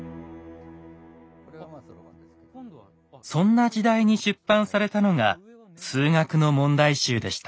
そんな時代に出版されたのが数学の問題集でした。